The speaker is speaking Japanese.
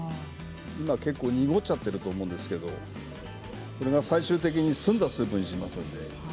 結構、濁っちゃってると思うんですけれどこれが最終的に澄んだスープにしますから。